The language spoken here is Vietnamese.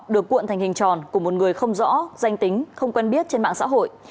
được cuộn thành hình tròn của một người không rõ danh tính không quen biết trên mạng xã hội